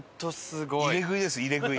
入れ食いです、入れ食い。